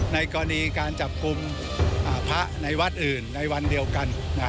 ในกรณีการจับกลุ่มพระในวัดอื่นในวันเดียวกัน